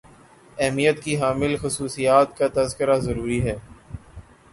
اہمیت کی حامل خصوصیات کا تذکرہ ضروری ہے